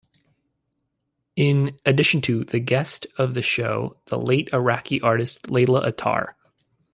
In additionto the guest of the show, the late Iraqi artist Layla Attar.